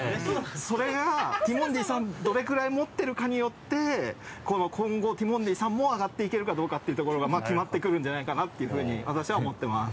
それがティモンディさんどれくらい持ってるかによって今後ティモンディさんも上がっていけるかどうかっていう所が決まってくるんじゃないかなっていうふうに私は思ってます。